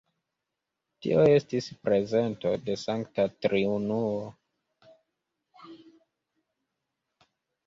Tio estis prezento de Sankta Triunuo.